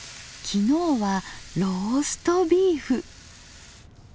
昨日はローストビーフ。